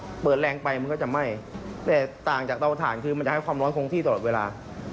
พอเปิดแรงไปมันก็จะไหม้แต่ต่างจากเตาถ่านคือมันจะให้ความร้อนคงที่ตลอดเวลา